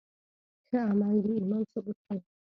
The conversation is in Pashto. ښه عمل د ایمان ثبوت دی.